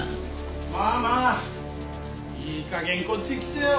ママいい加減こっち来てよ。